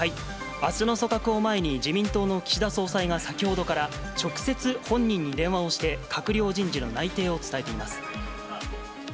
あすの組閣を前に自民党の岸田総裁が先ほどから、直接本人に電話をして、閣僚人事の内定を伝えています。